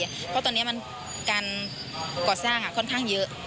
เพราะตอนนี้การก่อสร้างค่อนข้างเยอะ